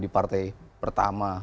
di partai pertama